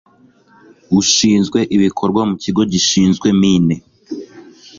ushinzwe ibikorwa mu kigo gishinzwe mine